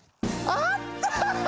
あった！